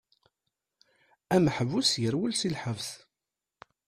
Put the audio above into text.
Ameḥbus yerwel si lḥebs.